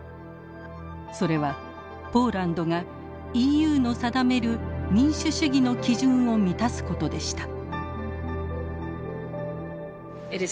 それはポーランドがＥＵの定める民主主義の基準を満たすことでした。